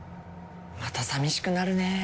またさみしくなるね。